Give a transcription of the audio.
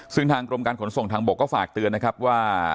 ซึ่งทางกรมการขนส่งทางบกก็ฝากเตือนนะครับว่า